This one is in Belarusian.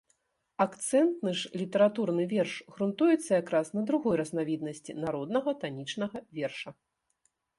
Акцэнтны ж літаратурны верш грунтуецца якраз на другой разнавіднасці народнага танічнага верша.